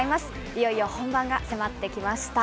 いよいよ本番が迫ってきました。